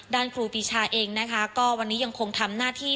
ด้านครูปิชาเองก็วันนี้ยังคงทำหน้าที่